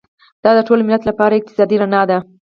دا د ټول ملت لپاره اقتصادي رڼا ده.